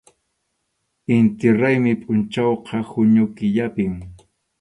Inti raymi pʼunchawqa junio killapim.